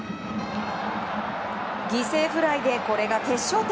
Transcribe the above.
犠牲フライでこれが決勝点。